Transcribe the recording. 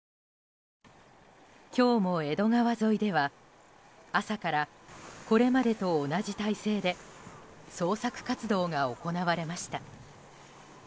今日も江戸川沿いでは朝からこれまでと同じ態勢で捜索活動が行われました。